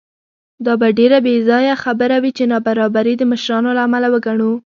دا به ډېره بېځایه خبره وي چې نابرابري د مشرانو له امله وګڼو.